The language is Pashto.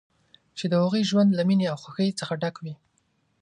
چې د هغوی ژوند له مینې او خوښۍ څخه ډک وي.